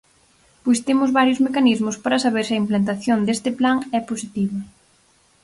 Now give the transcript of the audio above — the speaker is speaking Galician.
Pois temos varios mecanismos para saber se a implantación deste plan é positiva.